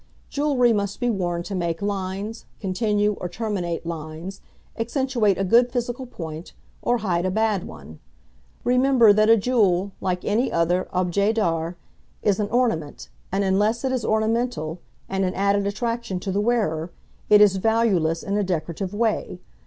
Jewelry must be worn to make lines, continue or terminate lines, accentuate a good physical point, or hide a bad one. Remember that a jewel like any other object d'art, is an ornament, and unless it is ornamental, and an added attraction to the wearer, it is valueless in a decorative way.